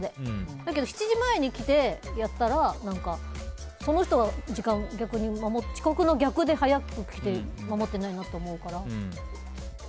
だけど７時前に来て、やったらその人が遅刻の逆で早く来て時間を守ってないなって思うから。